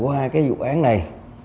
qua cái dụ án này